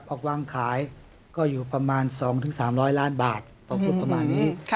พอวางขายก็อยู่ประมาณ๒๓๐๐ล้านบาทพอพูดประมาณนี้